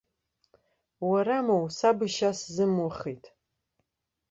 Уара моу, саб ишьа сзымухит!